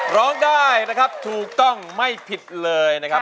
ร้องได้นะครับถูกต้องไม่ผิดเลยนะครับ